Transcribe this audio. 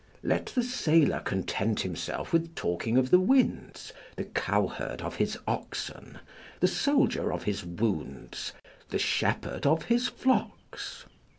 ["Let the sailor content himself with talking of the winds; the cowherd of his oxen; the soldier of his wounds; the shepherd of his flocks."